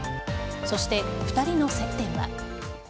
そして２人の接点は。